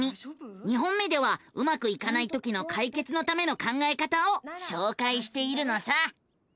２本目ではうまくいかないときの解決のための考えた方をしょうかいしているのさ。